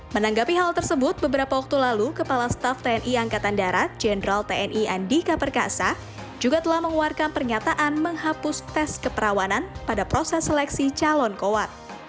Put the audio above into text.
menanggapi hal tersebut beberapa waktu lalu kepala staff tni angkatan darat jenderal tni andika perkasa juga telah mengeluarkan pernyataan menghapus tes keperawanan pada proses seleksi calon kowat